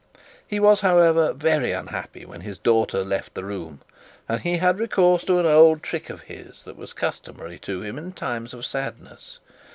He was, however, very unhappy when his daughter left the room, and he had recourse to an old trick of his that was customary to him in his times of sadness.